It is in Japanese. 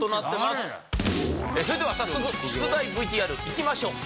それでは早速出題ＶＴＲいきましょう。